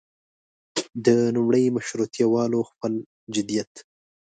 د لومړي مشروطیه والو خپل جديت.